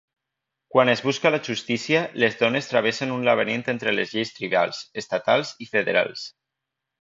Quan es busca la justícia, les dones travessen un laberint entre les lleis tribals, estatals i federals.